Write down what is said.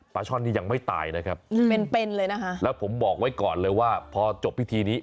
ประชนนี้ยังไม่ตายนะครับแล้วผมบอกไว้ก่อนเลยว่าพอจบพิธีนี้